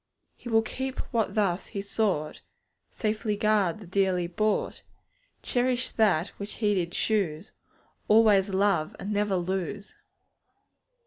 He will keep what thus He sought, Safely guard the dearly bought; Cherish that which He did choose, Always love and never lose.